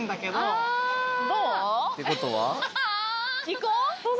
行こう！